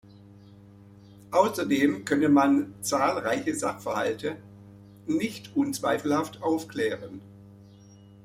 Außerdem könne man zahlreiche Sachverhalte nicht unzweifelhaft aufklären.